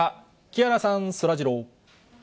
木原さん、そらジロー。